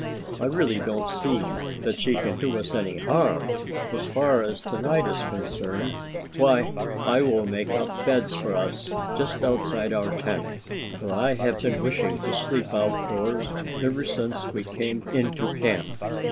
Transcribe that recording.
I really don't see that she can do us any harm. As far as to night is concerned, why I will make up beds for us just outside our tent, for I have been wishing to sleep outdoors ever since we came into camp."